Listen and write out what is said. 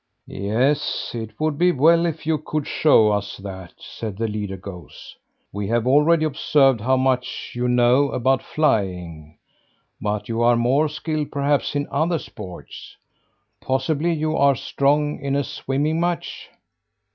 "Yes, it would be well if you could show us that," said the leader goose. "We have already observed how much you know about flying; but you are more skilled, perhaps, in other sports. Possibly you are strong in a swimming match?"